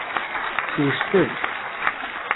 Swectel.